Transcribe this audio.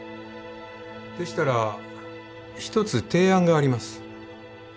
でしたら１つ提案があります